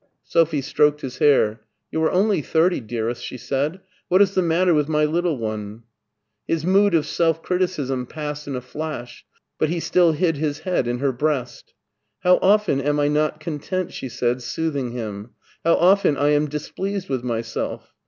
Sophie stroked his hair. "You are only thirty, dearest," she said ;" what is the matter with my little one?" His mood of self criticism passed in a flash, but he still hid his head in her breast. " How often am I not content," she said, soothing him; "how often I am displeased with myself!